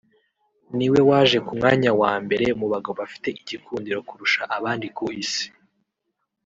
niwe waje ku mwanya wa mbere mu bagabo bafite igikundiro kurusha abandi ku isi